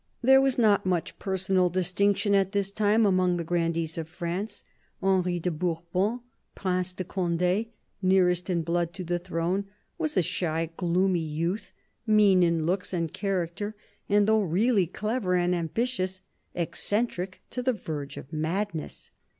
There was not much personal distinction, at this time, among the grandees of France. Henry de Bourbon, Prince de Conde, nearest in blood to the throne, was a shy, gloomy youth, mean in looks and character, and though really clever and ambitious, eccentric to the verge of mad ness.